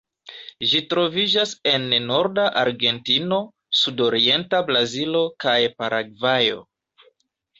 Ĝi troviĝas en norda Argentino, sudorienta Brazilo kaj Paragvajo.